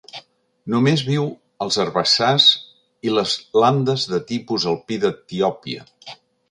Només viu als herbassars i les landes de tipus alpí d'Etiòpia.